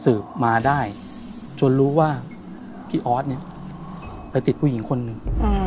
สืบมาได้จนรู้ว่าพี่ออสเนี่ยไปติดผู้หญิงคนหนึ่ง